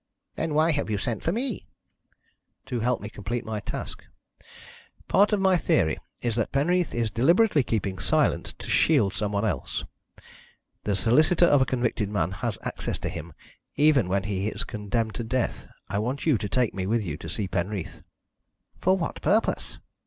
"Then why have you sent for me?" "To help me to complete my task. Part of my theory is that Penreath is deliberately keeping silent to shield some one else. The solicitor of a convicted man has access to him even when he is condemned to death. I want you to take me with you to see Penreath." "For what purpose?"